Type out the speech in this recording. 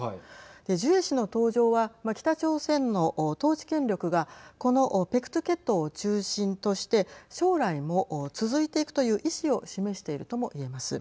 ジュエ氏の登場は北朝鮮の統治権力がこの白頭血統を中心として将来も続いていくという意思を示しているとも言えます。